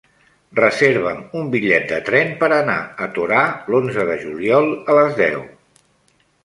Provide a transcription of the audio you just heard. Reserva'm un bitllet de tren per anar a Torà l'onze de juliol a les deu.